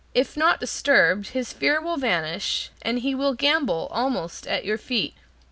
If not disturbed, his fear will vanish, and he will gambol almost at your feet.